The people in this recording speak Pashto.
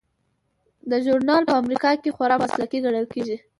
دا ژورنال په امریکا کې خورا مسلکي ګڼل کیږي.